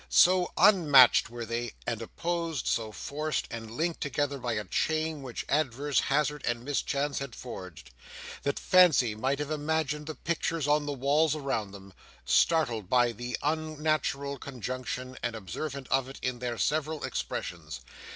So unmatched were they, and opposed, so forced and linked together by a chain which adverse hazard and mischance had forged: that fancy might have imagined the pictures on the walls around them, startled by the unnatural conjunction, and observant of it in their several expressions.